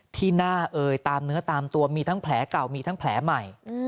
ที่หน้าเอ่ยตามเนื้อตามตัวมีทั้งแผลเก่ามีทั้งแผลใหม่